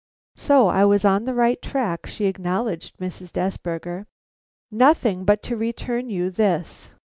So I was on the right track; she acknowledged Mrs. Desberger. "Nothing but to return you this.